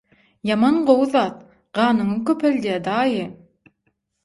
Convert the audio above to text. Ýaman gowy zat, ganyňy köpeldýä, daýy.